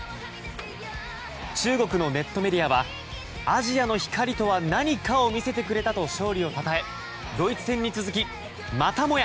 中国のネットメディアはアジアの光とは何かを見せてくれたと勝利をたたえドイツ戦に続きまたもや